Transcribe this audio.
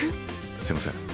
すいません